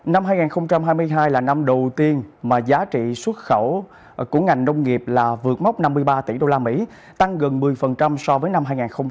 năm hai nghìn hai mươi hai là năm đầu tiên mà giá trị xuất khẩu của ngành nông nghiệp là vượt mốc năm mươi ba tỷ usd tăng gần một mươi so với năm hai nghìn hai mươi hai